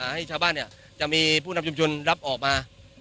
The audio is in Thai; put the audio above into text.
ให้ชาวบ้านเนี่ยจะมีผู้นำชุมชนรับออกมา